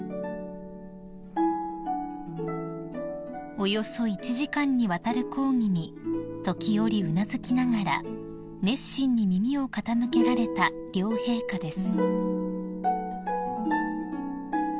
［およそ１時間にわたる講義に時折うなずきながら熱心に耳を傾けられた両陛下です］